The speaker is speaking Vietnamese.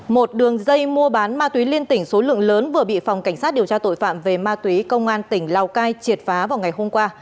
một đường dây mua bán ma túy liên tỉnh số lượng lớn vừa bị phòng cảnh sát điều tra tội phạm về ma túy công an tỉnh lào cai triệt phá vào ngày hôm qua